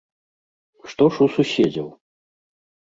Што ж у суседзяў?